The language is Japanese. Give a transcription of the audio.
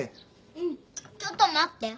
うんちょっと待って。